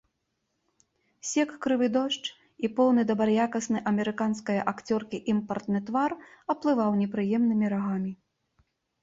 Сек крывы дождж, і поўны дабраякасны амерыканскае акцёркі імпартны твар аплываў непрыемнымі рагамі.